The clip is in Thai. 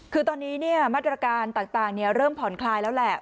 คือตอนนี้มาตรการต่างเริ่มผ่อนคลายแล้วแหละ